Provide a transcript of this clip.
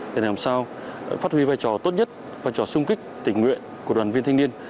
để làm sao phát huy vai trò tốt nhất vai trò sung kích tình nguyện của đoàn viên thanh niên